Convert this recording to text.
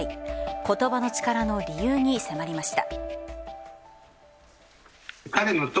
言葉の力の理由に迫りました。